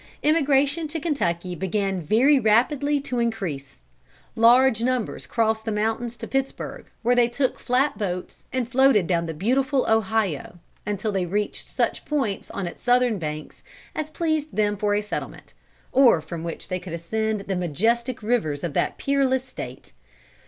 Emigration to Kentucky began very rapidly to increase. Large numbers crossed the mountains to Pittsburgh, where they took flat boats and floated down the beautiful Ohio, la belle rivière, until they reached such points on its southern banks as pleased them for a settlement, or from which they could ascend the majestic rivers of that peerless State.